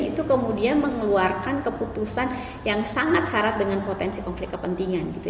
itu kemudian mengeluarkan keputusan yang sangat syarat dengan potensi konflik kepentingan gitu